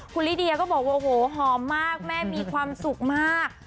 คุณลิเดียก็บอกว่าโอ้โหหอมมากแม่มีความสุขมาก